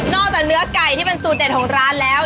จากเนื้อไก่ที่เป็นสูตรเด็ดของร้านแล้ว